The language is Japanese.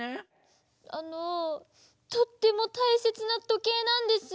あのとってもたいせつなとけいなんです。